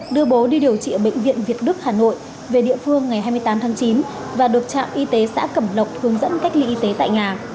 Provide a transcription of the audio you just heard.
đưa bố đi điều trị ở bệnh viện việt đức hà nội về địa phương ngày hai mươi tám tháng chín và được trạm y tế xã cẩm lộc hướng dẫn cách ly y tế tại nhà